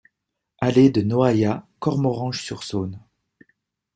Allée de Noaillat, Cormoranche-sur-Saône